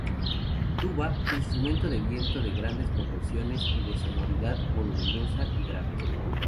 Tuba: Instrumento de viento de grandes proporciones y de sonoridad voluminosa y grave.